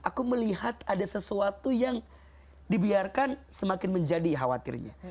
aku melihat ada sesuatu yang dibiarkan semakin menjadi khawatirnya